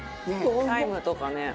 タイムとかね。